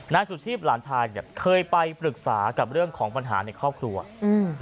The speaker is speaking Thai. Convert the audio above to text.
นายสุชีพหลานชายเนี้ยเคยไปปรึกษากับเรื่องของปัญหาในครอบครัวอืม